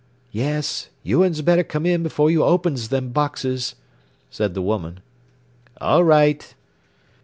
"Yes. You uns better come in before you opens them boxes," said the woman. "All right."